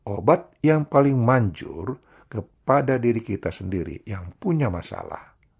obat yang paling manjur kepada diri kita sendiri yang punya masalah